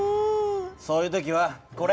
そういう時はこれ。